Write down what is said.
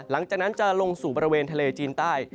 หลังจากนั้นจะลงสู่บริเวณทะเลจีนใต้